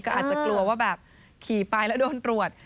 ก็อาจจะกลัวว่าแบบขี่ไปแล้วโดนตรวจ